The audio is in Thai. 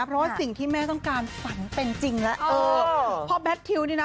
เพราะว่าสิ่งที่แม่ต้องการฝันเป็นจริงแล้วเออเพราะแททิวนี่นะ